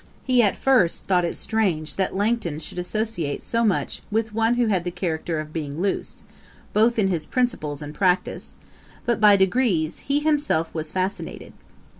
He at first thought it strange that Langton should associate so much with one who had the character of being loose, both in his principles and practice; but, by degrees, he himself was fascinated.